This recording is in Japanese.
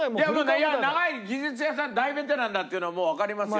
いや長い技術屋さん大ベテランだっていうのはもうわかりますよ。